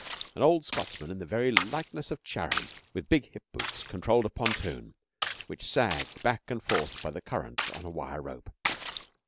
An old Scotchman, in the very likeness of Charon, with big hip boots, controlled a pontoon, which sagged back and forth by current on a wire rope.